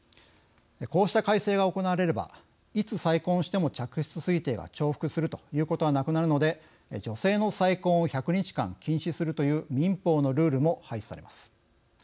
こうした改正が行われればいつ再婚しても嫡出推定が重複するということはなくなるので女性の再婚を１００日間禁止するという民法のルールも廃止されます。